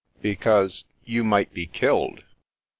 " Because — ^you might be killed."